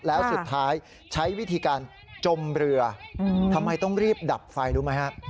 แล้วสุดท้ายใช้วิธีการจมเรือทำไมต้องรีบดับไฟรู้ไหมฮะ